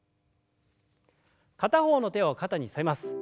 片方の手を肩にのせます。